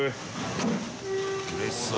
うれしそう。